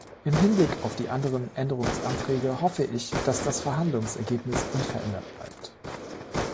Im Hinblick auf die anderen Änderungsanträge hoffe ich, dass das Verhandlungsergebnis unverändert bleibt.